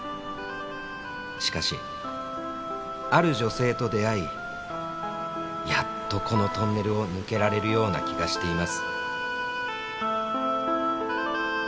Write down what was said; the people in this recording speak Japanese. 「しかしある女性と出会いやっとこのトンネルを抜けられるような気がしています」